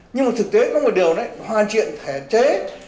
nhưng thực tế có một điều hoàn thiện thể chế